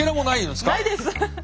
ないです。